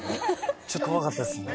ちょっと怖かったっすね。